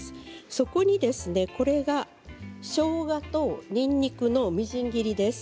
そこに、しょうがとにんにくのみじん切りです。